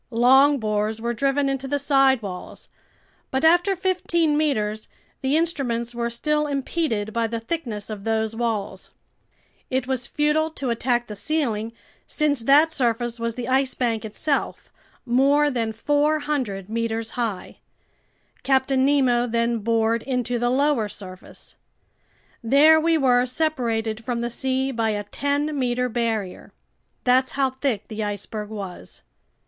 Long bores were driven into the side walls; but after fifteen meters, the instruments were still impeded by the thickness of those walls. It was futile to attack the ceiling since that surface was the Ice Bank itself, more than 400 meters high. Captain Nemo then bored into the lower surface. There we were separated from the sea by a ten meter barrier. That's how thick the iceberg was.